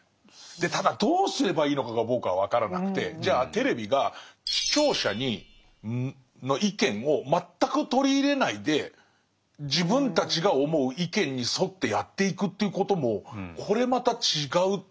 でただどうすればいいのかが僕は分からなくてじゃあテレビが視聴者の意見を全く取り入れないで自分たちが思う意見に沿ってやっていくということもこれまた違うでしょ？